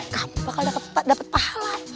kamu bakal dapet pahala